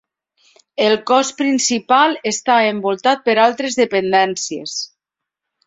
El cos principal està envoltat per altres dependències.